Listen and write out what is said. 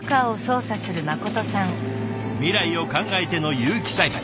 未来を考えての有機栽培。